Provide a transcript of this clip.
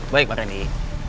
baik mas randy